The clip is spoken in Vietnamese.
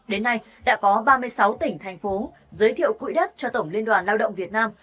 đến nay đã có ba mươi sáu tỉnh thành phố giới thiệu quỹ đất cho tổng liên đoàn lao động việt nam